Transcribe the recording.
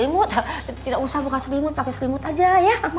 semut tidak usah buka selimut pakai selimut aja ya